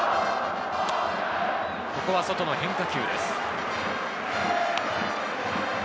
ここは外の変化球です。